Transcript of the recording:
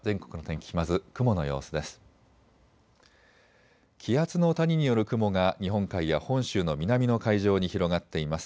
気圧の谷による雲が日本海や本州の南の海上に広がっています。